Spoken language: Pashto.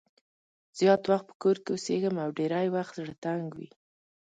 زیات وخت په کور کې اوسېږم او ډېری وخت زړه تنګ وي.